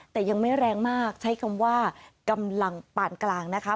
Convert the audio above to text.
แต่ยังไม่แรงมากใช้คำว่ากำลังปานกลางนะคะ